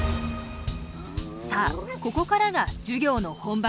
さあここからが授業の本番。